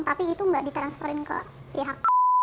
tapi itu nggak di transferin ke pihak